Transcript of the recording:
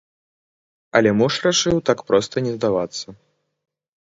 Але муж рашыў так проста не здавацца.